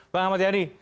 bang ahmad yani